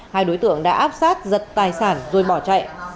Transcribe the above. hai đối tượng đã áp sát giật tài sản rồi bỏ chạy